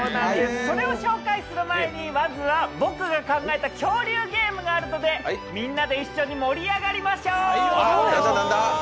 それを紹介する前に、まずは僕が考えた恐竜のゲームがあるのでみんなで一緒に盛り上がりましょう。